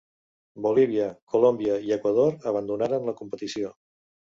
Bolívia, Colòmbia, i Equador abandonaren la competició.